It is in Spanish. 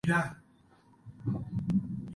William Ray Collins Jr.